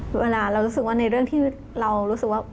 เวลาเรารู้สึกว่าในเรื่องที่เรารู้สึกว่า